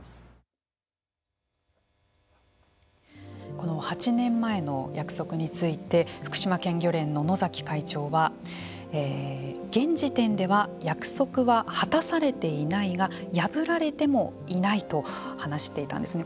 この８年前の約束について福島県漁連の野崎会長は現時点では約束は果たされていないが破られてもいないと話していたんですね。